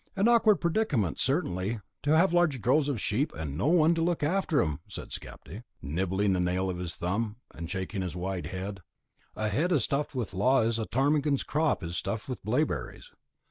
"An awkward predicament, certainly to have large droves of sheep and no one to look after them," said Skapti, nibbling the nail of his thumb, and shaking his wise head a head as stuffed with law as a ptarmigan's crop is stuffed with blaeberries.